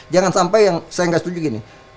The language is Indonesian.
jangan sampai yang saya nggak setuju gini